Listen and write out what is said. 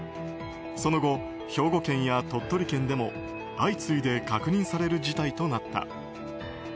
その後、兵庫県や鳥取県でも相次いで確認される事態となった。